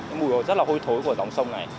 cái mùi đồ rất là hôi thối của dòng sông này